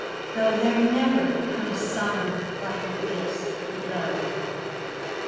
Though there never come summer like this below.